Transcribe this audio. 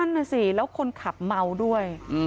เป็นนั่นสิแล้วคนขับเมาด้วยอืม